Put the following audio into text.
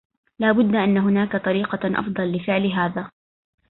لا بدّ أنّ هناك طريقة أفضل لفعل هذا.